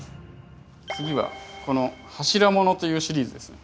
次はこの柱物というシリーズですね。